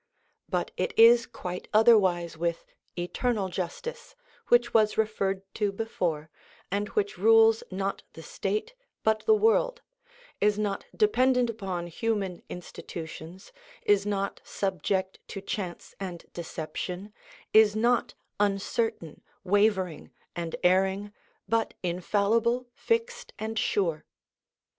But it is quite otherwise with eternal justice, which was referred to before, and which rules not the state but the world, is not dependent upon human institutions, is not subject to chance and deception, is not uncertain, wavering, and erring, but infallible, fixed, and sure.